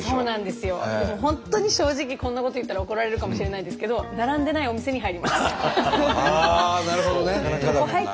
でも本当に正直こんなこと言ったら怒られるかもしれないんですけどああなるほどね。